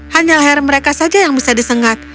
hanya leher mereka saja yang bisa disengat